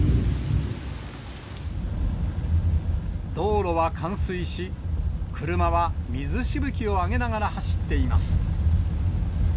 道路は冠水し、車は水しぶきを上げながら走っています。